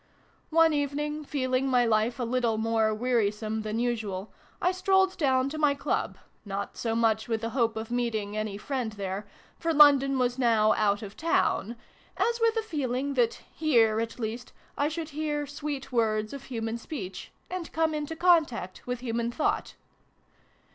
One evening, feeling my life a little more wearisome than usual, I strolled down to my Club, not so much with the hope of meeting any friend there, for London was now ' out of town,' as with the feeling that here, at least, I should hear ' sweet words of human speech/ and come into contact with human thought.